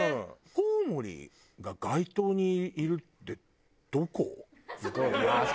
コウモリが街灯にいるってどこ？